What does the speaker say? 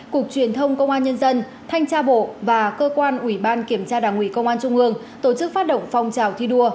cục truyền thông công an nhân dân thanh tra bộ và cơ quan ủy ban kiểm tra đảng ủy công an trung ương tổ chức phát động phong trào thi đua